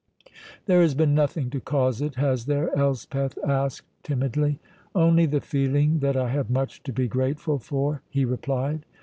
"There has been nothing to cause it, has there?" Elspeth asked timidly. "Only the feeling that I have much to be grateful for," he replied.